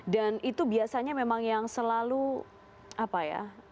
dan itu biasanya memang yang selalu apa ya